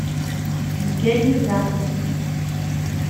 Ggani da.